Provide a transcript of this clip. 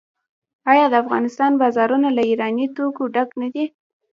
آیا د افغانستان بازارونه له ایراني توکو ډک نه دي؟